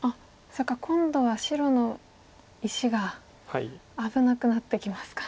今度は白の石が危なくなってきますか。